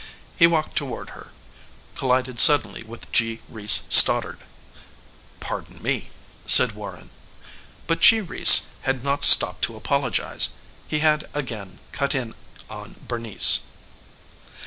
He walked toward her collided suddenly with G. Reece Stoddard. "Pardon me," said Warren. But G. Reece had not stopped to apologize. He had again cut in on Bernice.